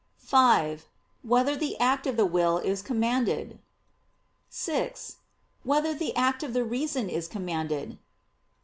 (5) Whether the act of the will is commanded? (6) Whether the act of the reason is commanded?